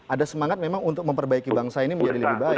ada semangat memang untuk memperbaiki bangsa ini menjadi lebih baik